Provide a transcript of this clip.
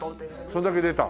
それだけ出た？